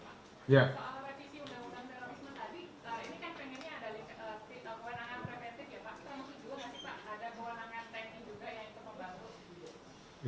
ada kewenangan training juga yang itu membantu juga